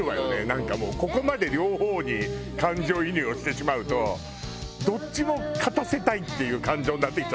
なんかもうここまで両方に感情移入をしてしまうとどっちも勝たせたいっていう感情になってきちゃってるから。